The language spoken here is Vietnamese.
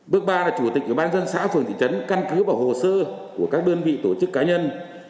bước ba là chủ tịch công an xã phường thị trấn căn cứ vào hồ sơ của các đơn vị tổ chức cá nhân